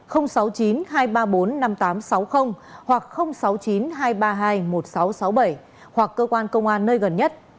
hoặc sáu mươi chín hai trăm ba mươi hai một nghìn sáu trăm sáu mươi bảy hoặc cơ quan công an nơi gần nhất